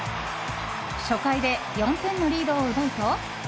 初回で４点のリードを奪うと。